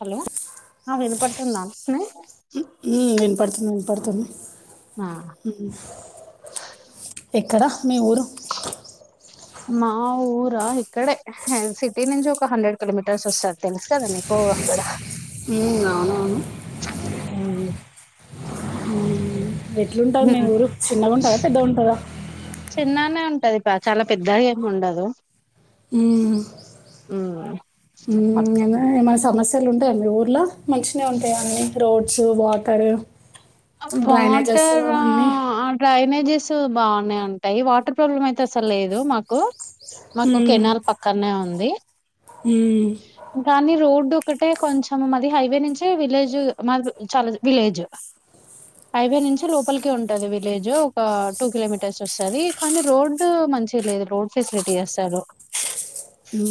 Hello ఆ వినపడుతుందా అంట్నే పడుతుంది పడుతుంది. ఉహ్ ఎక్కడ మీ ఊరు మా ఊరా ఇక్కడే హే సిటీ నుంచి ఒక హండ్రెడ్ కిలోమీటర్స్ వసద్ తెలుసు కదా నీకో గడాహ్ ఉహ్ అవునవును పూయే ఎట్లుంటది మీ ఊరు సిన్న గుంటద పెద్ద ఉంటదా. త చాలా పెద్ద ఏమ్ ఉండదు. ఊమ్ ఉమ్ ఉమ్ మొత్తం యమో ఏమన్నా సమస్ తల్ ఉంటాయా మీ ఊర్లా మంచినే ఉంటా అన్ని రోడ్డసు వాకరు వాటరా ఆ డ్రైనే జేసు బావనే ఉంటాయ్. వాటర్ ప్రాబ్లం అయితే అసలు లేదు మాకు. మాకు ఓక్ ఉమ్, ఏనారు పక్కనే ఉంది. ఉమ్, దాని రోడ్డు ఒకటే కొంచెం మాది హైవే నించే విలేజు మాది చాలాద్ విలేజ్. హైవే నుంచే లోపలికే ఉంటది విలేజ్ ఒక టూ కిలోమీటర్స్ వస్తది కానీ రోడ్డు మంచి లేదు రోడ్ ఫెసిలిటీ అసలు లూ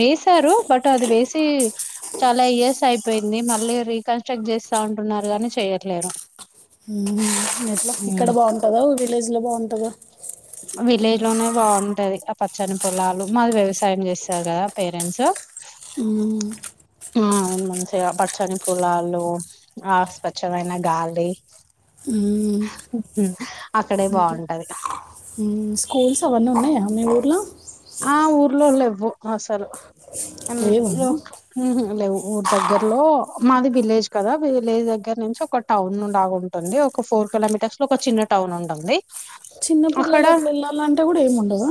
వేసారు బట్ అది వేసి చాలా ఇయర్స్ అయిపోయింది. మళ్ లేర్ రికన్స్ట్రగ్ జేస్తా అంటున్నారు గాని చెయట్లేరు. ఉమ్ ఎట్లా ఇక్కడ బావుంటదా విలేజ్లా బావుంటదా. విలేల్ లోనే బావుంటది ఆ పచ్చని పొలాలు. మాది వ్యవసాయం చేస్తారు గదా పెరన్సు [inaudible] ఆ మంచిగా పచ్చని పోలాలు, ఆ స్వచ్ఛమైన గాలి. [inaudible] సింటా బాగుంటది ఉమ్ స్కూల్స్ అవన్నీ ఉన్నాయా మీ ఊర్ల ఆ ఊర్లో లేవు అసలు లేవు ఆమ్ఓ ఉహుహ్ లేవ్. ఊర్ దగ్గర లో మాది విలేజ్ కదా, విలేజ్ దగ్గర నుంచి ఒక టౌను లాగా ఉంటుంది. ఒక ఫోర్ ఒకలా మీటర్స్ లో ఒక చిన్న టౌన్ ఉంటుంది. చిన్న అక్కడ పిల్లలు అట్లా ఏళ్ళాలంటే గూడ ఏముండదా.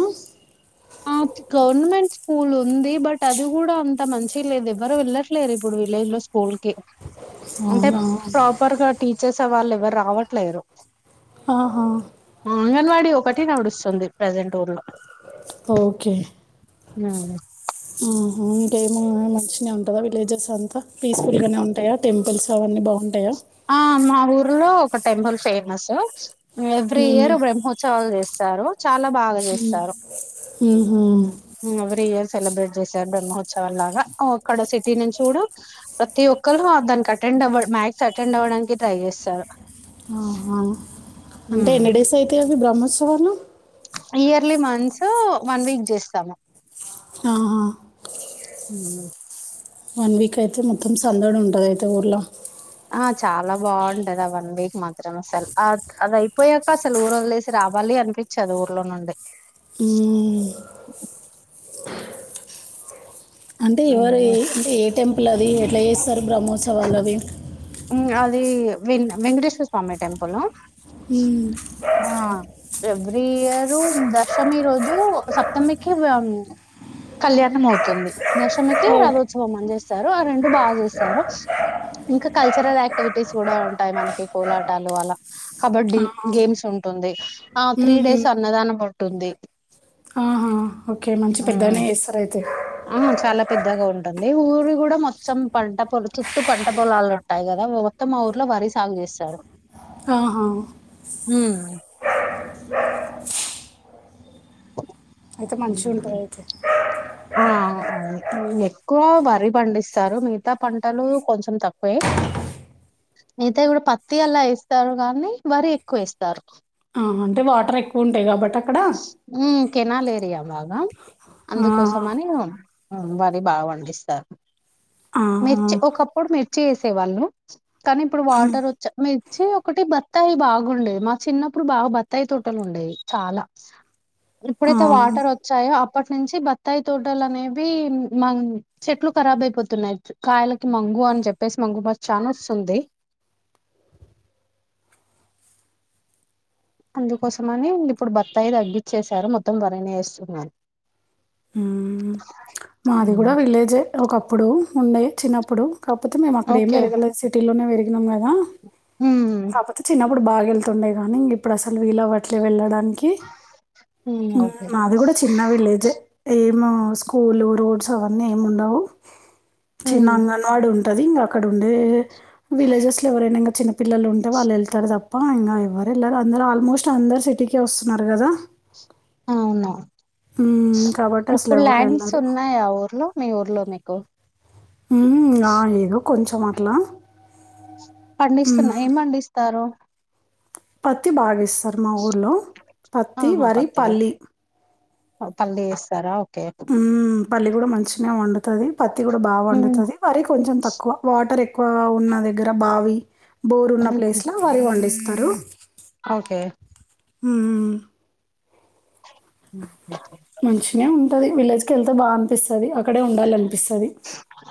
అత్ గవర్నమెంట్ స్కూల్ ఉంది, బట్ అది కూడా అంత మంచి లేద్, ఎవ్వరు వెళ్ళట్లేదు ఇప్పుడు విలేజ్ లో అంటే అవునా ప్రాపర్గా టీ చేసే వాల్ ఎవరు రావట్లేరు. ఆహా అంగన్వాడి ఒకటి నడుస్తుంది ప్రజెంట్ ఊర్ లో ఓకే నా ఆహా ఇంకేమో మంచిగానే ఉంటదా విలేజెస్ అంతా పీస్ఫుల్ గానే ఉంటాయా టెంపుల్స్ అవన్నీ బా ఆ మా ఊర్లో ఒక టెంపుల్ ఫేమస్ ఎవ్రీ మ్మ్. ఇయర్ బ్రహ్మోత్ త్సవాలు చేస్తారు చాలా బాగా చేస్తారు మ్మ్హూ. ఉ ఎవ్రీ ఇయర్ సెలబ్రేట్ చేస్తంటారు బ్రహ్మోత్సవాలు లాగా అక్కడ సిటీ నుంచి చూడు ప్రతి ఒక్కరు దానికి అటెండ్ [unintelligible] అటెండ్ అవ్వడానికి ట్రై చేస్తారు ఆహా అంటే ఎన్ని డేస్ అవుతయి బ్రహ్మోత్సవాలు ఇయర్లీ మంత్స్ వన్ వీక్ చేస్తాము ఆహా ఉ ఊ వన్ వీక్ అయితే మొత్తం సందడి ఉంటది అయితే ఊర్లో ఆ చాలా బాగుంటది ఆ వన్ వీక్ మాత్రం అసలు అది అయిపోయాక అసలు ఊరు వదిలేసి రాబ ఆళ్ళీ అనిపించదు ఊర్లో నుండి ఊ అంటే ఎవరు అంటే ఏ టెంపుల్ అది ఎట్లా చేస్తారు బ్రహ్మోత్సవాలు అవి ఉమ్ అది వెం వెంకటేశ్వర్ స్వామి టెంపుల్ హు ఎవ్రీ ఇయర్ దశమి రోజు సప్తమికి కళ్యాణం అవుతుంది దశమికి ఓకే. రథోత్సవం అనిజేస్తారు ఆ రెండు బాగా చేస్తారు ఇంకా కల్చరల్ యాక్టివిటీస్ కూడా ఉంటాయి మనకి కోలాటాలు అలా కబడ్డీ ఆహా. గేమ్స్ ఉంటుంది. ఆ త్రీ మ్మ్హ్. డేస్ అన్నదానం ఉంటుంది. ఆహా ఓకే మంచి ఉమ్ పెద్దనే చేస్తారు అయితే ఆ చాలా పెద్దగా ఉంటుంది ఊరి కూడా మొత్తం పంట పొల చుట్టూ పంట పొలాలు ఉంటాయి కదా మొత్తం మా ఊర్లో వరి సాగు చేస్తారు ఆహా ఊ అయితే మంచిగా ఉంటది అయితే ఆ అవును ఎక్కువ వరి పండిస్తారు మిగతా పంటలు కొంచెం తక్కువే అయితే కూడా పత్తి అలా ఏస్తారు కానీ వరి ఎక్కువ ఏస్తారు ఆహా అంటే వాటర్ ఎక్కువ ఉంటాయి కాబట్టి అక్కడ ఊ కెనాల్ ఏరియా బాగా ఆ, అందుకోసము అని ఉ వరి బాగా పండిస్తారు ఆ, మిర్చి ఒకప్పుడు మిర్చి వేసే వాళ్ళు కానీ ఇప్పుడు వాటర్ వచ్చ మిర్చి ఒకటి బత్తాయి బాగుండేది మా చిన్నప్పుడు బాగా బత్తాయి తోటలు ఉండేవి చాలా ఆ, ఇప్పుడైతే వాటర్ వచ్చాయో అప్పటి నుంచి బత్తాయి తోడలు అనేవి మ చెట్లు ఖరాబ్ అయిపోతున్నాయి కాయలకి మంగు అని చెప్పేసి మంగు బస్ చానా వస్తుంది అందుకోసమని ఇప్పుడు బత్తాయి తగ్గించేసారూ మొత్తం వరీనే వేస్తున్నారు ఊ మాది కూడా విలేజే ఒకప్పుడు ఉండే చిన్నప్పుడు కాకపోతే మేము అక్కడ ఏం ఓకే పెరగలే సిటీలోనే పెరిగినాం కదా ఉమ్ కాకపోతే చిన్న ప్పుడు వేళ్తుండే కానీ ఇప్పుడు అస అసలు వీలు అవట్లే వెళ్ళడానికి, ఉమ్ ఓకే మాది కూడా చిన్న విలేజె. ఆ స్కూల్, రోడ్స్, అవన్నీ ఏమి ఉండవు. చిన్న ఉమ్ అంగన్వాడీ ఉంట ఉంటది. ఇంకా అక్కడ ఉండే విలేజెస్లో ఎవరైనా చిన్న పిల్లలు ఉంటే వాళ్ళు వెళ్తారు తప్ప, ఇంకా ఎవ్వరు వెళ్ళరు, అందరు ఆల్మోస్ట్ అందరు సిటీకే వస్తున్నారు కదా. అవును. కాబట్టి ఇప్పుడు ల్యాండ్స్ అసలెవ్వరెళ్ళరు. ఉన్నాయా ఊర్లో. మీ ఊర్లో మీకు. ఊ ఆ ఎదో కొంచెం అట్లా. పండిస్తున్న, ఏం పండిస్తారు. పత్తి బాగా ఇస్తారు మా ఊర్ల. పత్తి, ఆహా వరి, పత్తి పల్లి. పల్లి యేస్తరా, ఓకే. హ్మ్. పల్లి కూడా మంచనె వండుతుంది, పత్తి కూడా బాగా ఉమ్, వండుతుంది, వరి కొంచెం తక్కువ వాటర్ ఎక్కు. ఎక్కువ ఉన్న దగ్గర బావి, బోరు ఉన్న ఉమ్, ప్లేస్ లో వారి పండిస్తరు. ఓకే. మ్ ల్చా మంచినే ఉంటది, విలేజ్కి వెళ్తే బాగా అనిపిస్తది.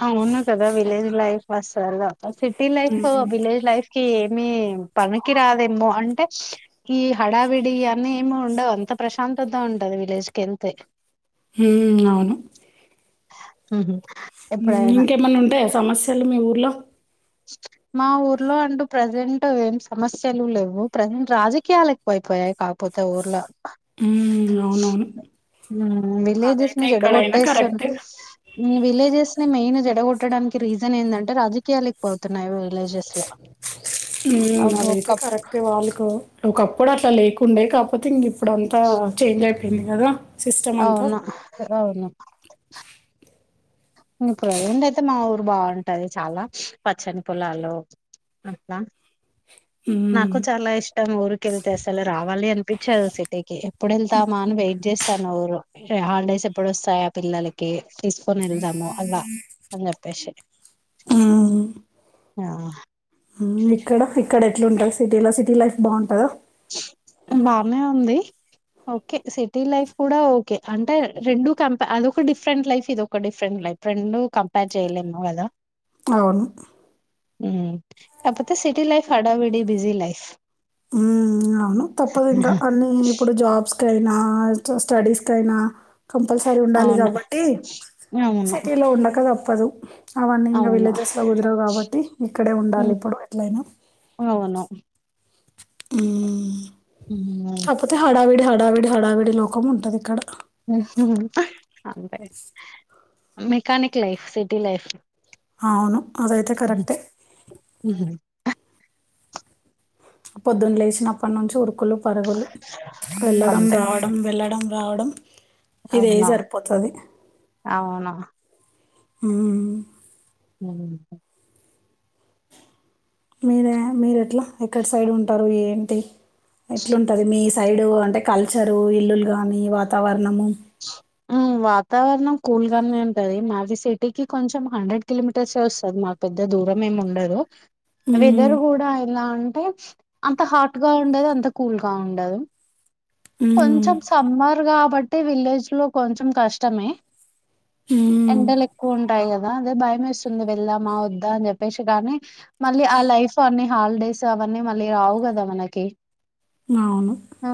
అవును కదా, విలేజ్ లైఫ్ అస్సలా సిటీ లైఫ్, విలేజ్ లైఫ్ ఏమి పనికి రాదేమో, అంటే ఈ హడావిడి అని ఏమి ఉండవు అంత ప్రశాంతత ఉంటది విలేజ్కి వెళ్తే. మ్ అవును. మ్ హు ఇంకేమన్న ఉంటాయా సమస్యలు మీ ఊర్లో. మా ఊర్లో అంటూ ప్రజెంట్ ఏం సమస్యలు లేవు, ప్రజెంట్ రాజకీయాలు ఎక్కువై పోయ కాపోతే ఊర్ల. మ్ అవునవును. మ్ అదైతే విలేజెస్ని ఎక్కడైనా చెడకొట్టేస్తరు, కరెక్టే ఇన్ విలేజెస్ మెయిన్గా జెడగొట్టడానికి రీజన్ ఏందంటే రాజకీయాల ఎక్కువైతున్నాయి ఊ మ్ అవి ఒక అదైతే కరెక్టే వాల్కో ఒకప్పుడు అట్లా లేకుండే కాకపోతే ఇంగ ఇప్పుడు అంతా చేంజ్ అయిపోయింది, కదా. సిస్టమ్ అంతా అవునా, అవును. మ్ ప్రెజెంట్ అయితే మా ఊరు బాగుంటది చాలా పచ్చని పొలాల్లో. అస్తా. ఇ నాకు చాలా ఇష్టం ఊరికి ఎళ్తే అసలు రావాలి అనిపించాదు సిటీకి, ఎప్పుడు వెళ్తామా అని వెయిట్ చే స్తాను ఊరు. హాలిడేస్ ఎప్పుడు వస్తాయా పిల్లలకి తీస్ కొని వెళ్దాము అల, అని చెప్పేసి. మ్ ఇక్కడ, ఇక్కడ ఎట్లుంటావ్ సిటీలో సిటీ లైఫ్ బాగుంటదా. ప్చ్ బానే ఉంది. ఓకే. సిటీ లైఫ్ కూడా ఓకే, అంటే రెండు కంప అదొక డిఫరెంట్ లైఫ్, ఇది ఒక డిఫరెంట్. లైఫ్ రెండు కంపేర్ చెయలేము, కదా. అవును కాపోతే సిటీ లైఫ్ హడావిడి బిజీ లైఫ్. ఉ అవును తప్పదు ఇంకా అన్ని ఇప్పుడు జాబ్స్ కయినా, చొ స్టడీస్ కయినా కంపల్సరీ ఉండాలి అవును. కాబట్టి అవును. సిటీ లో ఉండక దప్పదు. అవన్నీ ఇంకా అవును. విలేజెస్లో కుదరవు కాబట్టి ఇక్కడే ఉండాలి హ్మ్. ఇప్పుడు ఎట్లయినా అవును. ఉమ్ హ్మ్. కాపొతే హడావిడి, హడావిడి, హడావిడి లోకం ఉన్టది ఇక్కడ. ఊహ్హ్మ్ హ్ అంతే మెకానిక్ లైఫ్, సిటీ లైఫ్. ఔను అదైతే హ్మ్. కరక్టే. పొద్దున్ లెచినప్పట్నుంచి ఉరుకులు పరుగులు, వెళ్ళడం అంతే. రావడం వెళ్ళడం రావడం ఇదే అవును. సరిపోతది. అవును. ఉమ్ ఉమ్ మీరే మీరేట్లా ఎక్కడ్ సైడ్ ఉంటరు ఏంటి? ఎట్లుంటది మీస్ సైడు అంటే కల్చరు ఇల్లుల్ గానీ వాతావరణము. ఉమ్ వాతావర్ణం కూల్గానే ఉంటది, మాది సిటీకి కొంచెం హండ్రెడ్ కిలోమీటర్స్యే వొస్తది మాక్ పెద్ దా దూరమే ఉండదు. హ్మ్. వెదర్ గూడ ఎలా అంటే, అంత హాట్గా ఉండదు. అంత కూల్గా ఉండదు. హ్మ్. కొంచెం సమ్మర్ గాబట్టి విలేజ్లో కొంచెం కష్టమే. ఉమ్ ఎండల్ ఎక్కువ్ ఉంటాయి గదా, అదే భయమేస్తుంది వెళ్దా మా వద్దా అని జేప్పేసి గానీ, మళ్ళీ ఆ లై ఇఫ్ అన్ని హాలిడేస్ అవన్నీ మళ్ళీ రావ్ గదా మనకి. ఔను ఆ,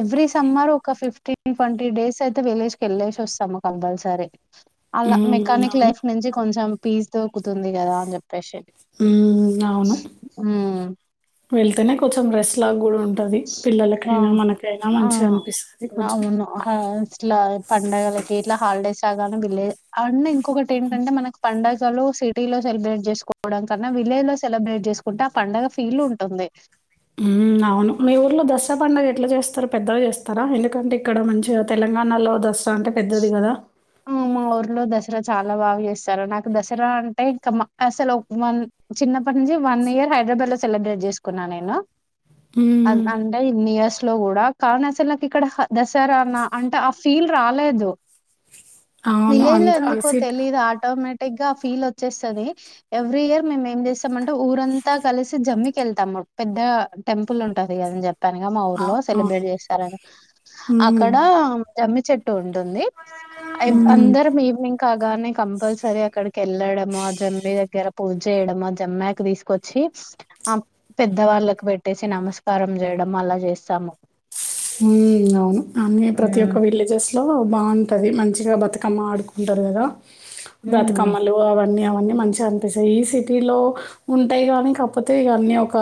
ఎవ్రీ సమ్మరు ఒక ఫిఫ్టీన్ ట్వంటీ డేస్ అయితే విలేజ్కి ఎళ్ళేసి వొస్తము కంపల్సరీ. అలా హ్మ్. మెకానిక్ అవును. లైఫ్ నుంచి కొంచెం పీస్ దొకుతుంది గదా అని జేప్పేసి. ఉమ్ అవును, ఉమ్ వెళ్తేనే కొంచెం రెస్ట్ లాగా గుడ ఉంట్ టది ఆ పిల్లలకైనా మనకైనా ఆ మంచిగన్పిస్తది కొంచెం ఏకెట్లా హాలిడేస్ రాగానే విలే, అండ్ ఇంకొకటి ఏంటంటే మనక్ పండగ్ లలో సిటీ లో సెలబ్రేట్ జేస్కోవడం కన్నా, విలేజ్ లో సెలబ్రేట్ జేస్కుంటే ఆ పండగ ఫీల్ ఉంటుంది. ఉమ్ అవును, మీ ఉర్ ర్లో దస్రా పండగ ఎట్లా జేస్తారారు పెద్దగా జేస్తార, ఎందుకంటే ఇక్కడ మంచిగా తెలంగాణలో దస్ స్రా అంటే పెద్దది గదా. దస్రా చాలా బాగా జేస్తరు, నాకు దస్రా అంటే ఇంకా మాక అసల్ మన్ చిన్నప్పటి నుంచి వన్ ఇయర్ హైడ్రాబ్యాడ్లో సెలబ్రేట్ జేస్కున్నా నేను, అద్ హ్మ్. అంటే ఇన్ ఇయర్స్ ట్లో గూడా కానీ అస్సల్ నాకు ఇక్కడ హ దసరానా అంటే ఆ ఫీల్ రాలేదు అవును. విలేజ్లో అంత ఆ ఎందుకో సిట్ తెలీదు ఆటోమేట్ టెగా ఆ ఫీల్ వొచ్చేస్తది, ఎవ్రీ ఇయర్ మేమ్ ఏం జేస్తామంటే ఊరంతా కలిసి జమ్మికెళ్తాం పెద్ద గా టెంపుల్ ఉంటది కదా అన్ జం తంగా మా అ ఊర్లో అవును. సెలబ్రేట్ జేస్తారని, హ్మ్. అక్కడ జమ్మి చెట్ టు ఉంటుంది, ఐవ్ హ్మ్. అందరం ఈవినింగ్ కాగ్ గానే కంపల్సరీ అక్కడకెళ్ళడము, ఆ జమ్మి దగ్గర పూజ్ జేయడము, ఆ జమ్మాక్ తీస్గొచ్చి ఆ పెద్ద వాళ్ళలక్ పెట్టేసి నమస్కారం జేయడం అలా చేస్తాము. ఉమ్ అవును అన్ని ప్రతి హ్మ్. వొక్క విలేజెస్ లో బావుంటది మంచిగా బతుకమ్మ ఆడుకుంటరు గదా, హ్మ్. బతుకమాలు అవన్ న్నీ అవన్నీ మంచిగనిపిస్తయ్, ఈ సిటీలో ఉంటాయ్ గానీ కాక్పోతే ఇగా అన్నీ ఒక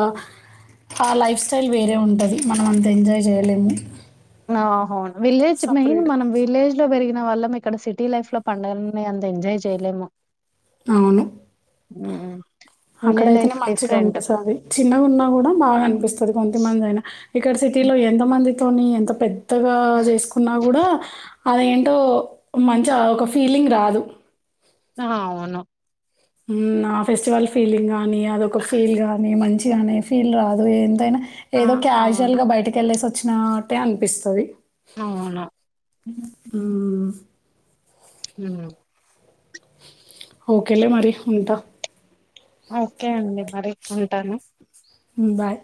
ఆ లైఫ్ స్టైల్ వేరే ఉంటది, మనం అంతా ఎంజాయ్ జేయలేము. ఆహా అవును, విలేజ్ మెయిన్ సపరేట్ మనం విలేజ్లో పెరిగి న వళ్లమ్ ఇక్కడ సిటీ లైఫ్లో పండగల్ని అంత ఎంజాయ్ జేయలేము. ఔను ఉమ్ అక్కడయ్తేనే మంచిగా అనిపిస్తది అండి, చిన్నగున్నా గుడ బాగానిపిస్తది కొంతమంది అయినా, ఇక్కడ సిటీ టిలో ఎంత మందితోని ఎంత పెద్దగా జేస్కున్నా గూడా అదేంటో మంచిగా ఒక ఫీలింగ్ రాదు. అహ అవును ఉమ్ ఆ ఫెస్టివల్ ఫీలింగ్ కాగానీ అదొక ఫీల్ గానీ మంచిగానీ ఫీల్ రాదు, ఇగ ఎంతైనా ఆ! ఏదో క్యాజువల్ అవును. గా బయటికి వెళ్ళేసి వచ్చినట్టే అనిపిస్తది. అవును. హ్మ్ హ్మ్ ఓకేలే మరి ఉంటా ఓకే అండి మరి ఉంటాను బాయ్